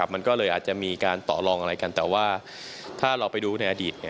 มันก็เลยอาจจะมีการต่อลองอะไรกันแต่ว่าถ้าเราไปดูในอดีต